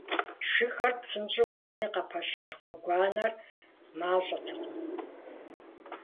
Шыхэр псынщӀэу кӀуэми, къапэщылъ гъуэгуанэр мащӀэтэкъым.